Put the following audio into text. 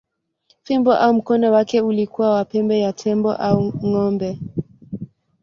Fimbo au mkono wake ulikuwa wa pembe ya tembo au ng’ombe.